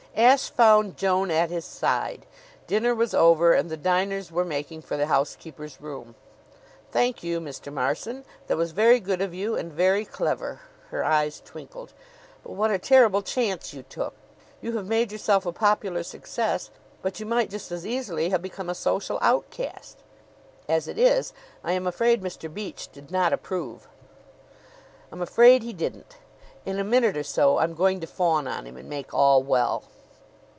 Ashe found Joan at his side. Dinner was over and the diners were making for the housekeeper's room. "Thank you, Mr. Marson. That was very good of you and very clever." Her eyes twinkled. "But what a terrible chance you took! You have made yourself a popular success, but you might just as easily have become a social outcast. As it is, I am afraid Mr. Beach did not approve." "I'm afraid he didn't. In a minute or so I'm going to fawn on him and make all well."